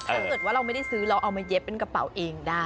ถ้าเกิดว่าเราไม่ได้ซื้อเราเอามาเย็บเป็นกระเป๋าเองได้